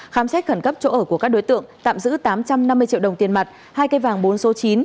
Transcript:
khám xét khẩn cấp chỗ ở của các đối tượng tạm giữ tám trăm năm mươi triệu đồng tiền mặt hai cây vàng bốn số chín